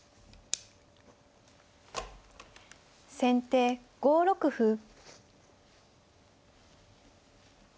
先手５六歩。